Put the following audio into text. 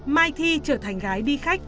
mai thi trở thành gái đi khách